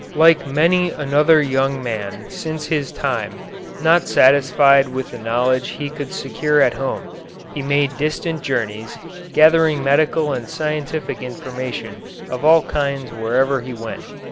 Like many another young man since his time, not satisfied with the knowledge he could secure at home, he made distant journeys, gathering medical and scientific information of all kinds wherever he went.